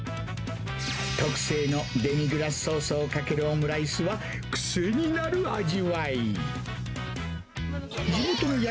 特製のデミグラスソースをかけるオムライスは癖になる味わい。